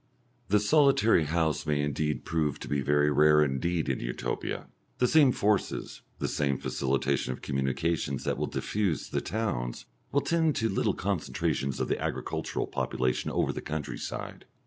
The solitary house may indeed prove to be very rare indeed in Utopia. The same forces, the same facilitation of communications that will diffuse the towns will tend to little concentrations of the agricultural population over the country side.